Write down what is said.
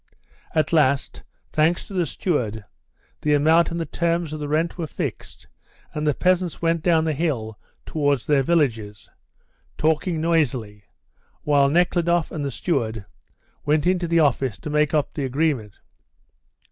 At last, thanks to the steward, the amount and the terms of the rent were fixed, and the peasants went down the hill towards their villages, talking noisily, while Nekhludoff and the steward went into the office to make up the agreement.